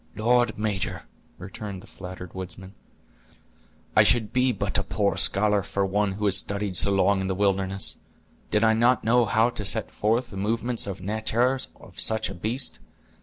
"Lord, major," returned the flattered woodsman, "I should be but a poor scholar for one who has studied so long in the wilderness, did I not know how to set forth the movements or natur' of such a beast.